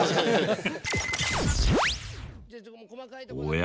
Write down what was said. おや？